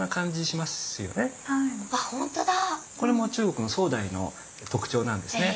これも中国の宋代の特徴なんですね。